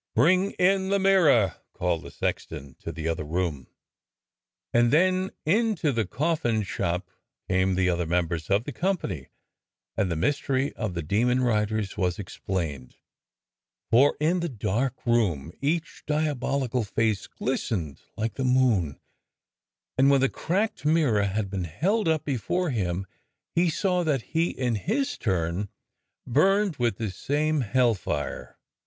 "Bring in the mirror!" called the sexton to the other room. And then into the coffin shop came the other members of the company, and the mystery of the demon riders was explained, for in the dark room each diabolical face glistened like the moon, and when the cracked mirror had been held up before him he saw that he in his turn burned with the same hell fire.